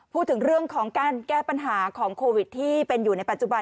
พูดถึงการแก้ปัญหาของโควิดที่อยู่ในปัจจุบัน